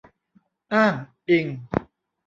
อ้างอิง